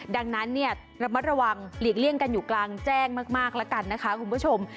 ดังนั้นเนี่ยระมัดระวังหลีกเลี่ยงกันอยู่กลางแจ้งมากแล้วกันนะคะคุณผู้ชม